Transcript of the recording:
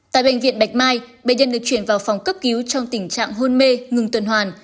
tại bệnh viện bạch mai bệnh nhân được chuyển vào phòng cấp cứu trong tình trạng hôn mê ngừng tuần hoàn